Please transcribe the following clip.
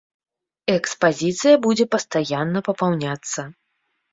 Экспазіцыя будзе пастаянна папаўняцца.